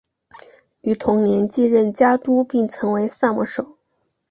于同年继任家督并成为萨摩守。